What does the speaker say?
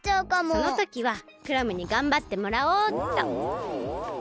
そのときはクラムにがんばってもらおうっと。